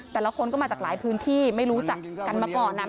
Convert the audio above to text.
แต่ละคนก็มาจากหลายพื้นที่ไม่รู้จักกันมาก่อนนะ